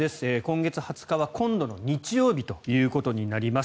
今月２０日は今度の日曜日ということになります。